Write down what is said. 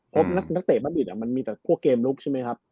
เพราะนักเตะบัดบิดมันมีแต่พวกเกมลุกใช่ไหมครับ